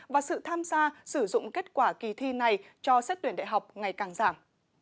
và sự tham gia sử dụng kết quả kỳ thi này cho xét tuyển đại học ngày càng giảm